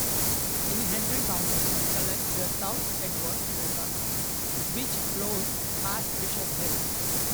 In Henry County it collects the South Edwards River, which flows past Bishop Hill.